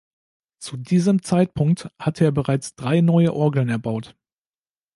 Zu diesem Zeitpunkt hatte er bereits drei neue Orgeln erbaut.